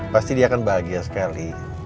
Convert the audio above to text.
pasti dia akan bahagia sekali